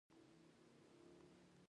سزا ورکولو حق لري.